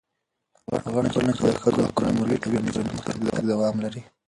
هغه ټولنه چې د ښځو حقونه مراعتوي، ټولنیز پرمختګ دوام لري.